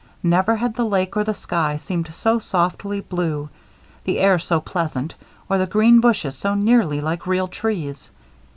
Never had the lake or the sky seemed so softly blue, the air so pleasant or the green bushes so nearly like real trees.